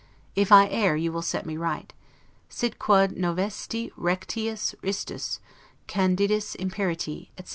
If I err, you will set me right; 'si quid novisti rectius istis, candidus imperti', etc.